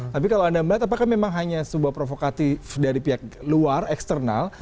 tapi kalau anda melihat apakah memang hanya sebuah provokatif dari pihak luar eksternal